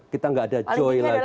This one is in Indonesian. kita nggak ada joy lagi